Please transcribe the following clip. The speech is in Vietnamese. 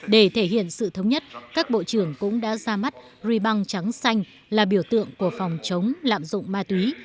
để thể hiện sự thống nhất các bộ trưởng cũng đã ra mắt ribang trắng xanh là biểu tượng của phòng chống lạm dụng ma túy